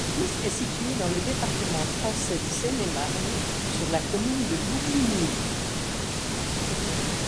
L'église est située dans le département français de Seine-et-Marne, sur la commune de Bougligny.